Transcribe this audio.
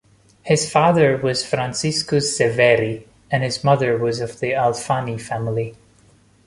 His father was Franciscus Severi, and his mother was of the Alfani family.